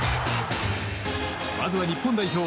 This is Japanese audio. まずは日本代表。